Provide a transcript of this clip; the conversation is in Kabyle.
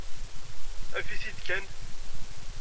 Af-it-id kan.